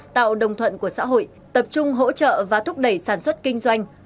tạo đồng thuận của xã hội tập trung hỗ trợ và thúc đẩy sản xuất kinh doanh